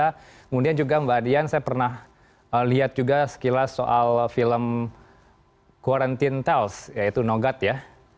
kemudian juga mbak dian saya pernah lihat juga sekilas soal film quarantine tales yaitu nogat ya